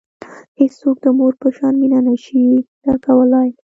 هیڅوک د مور په شان مینه نه شي درکولای.